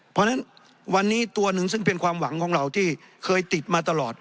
เพราะฉะนั้นวันนี้ตัวหนึ่งซึ่งเป็นความหวังของเราที่เคยติดมาตลอด